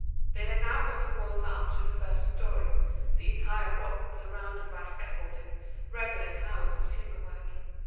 They had now got the walls up to the first storey; the entire block was surrounded by scaffolding, regular towers of timber work.